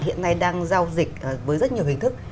hiện nay đang giao dịch với rất nhiều hình thức